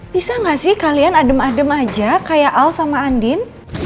bisa nggak sih kalian adem adem aja kayak al sama andin